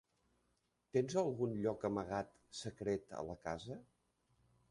Tens algun lloc amagat secret a la casa?